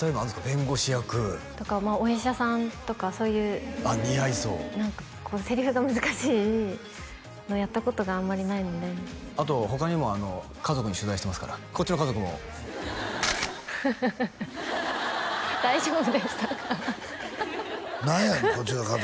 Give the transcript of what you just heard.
弁護士役とかお医者さんとかそういうあっ似合いそう何かセリフが難しいのをやったことがあんまりないのであと他にも家族に取材してますからこっちの家族も大丈夫でしたか？